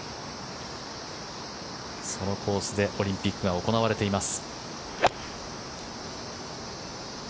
そのコースでオリンピックが行われています。